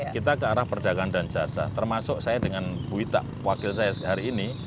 kita ke arah perdagangan dan jasa termasuk saya dengan bu wita wakil saya hari ini